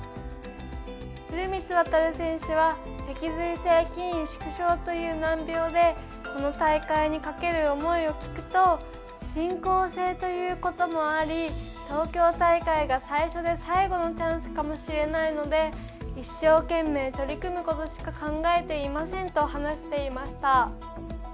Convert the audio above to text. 古満渉選手は脊髄性筋萎縮症という難病でこの大会にかける思いを聞くと進行性ということもあり東京大会が最初で最後のチャンスかもしれないので一生懸命取り組むことしか考えていませんと話していました。